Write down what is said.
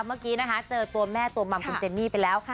เมื่อกี้นะคะเจอตัวแม่ตัวมัมคุณเจนนี่ไปแล้ว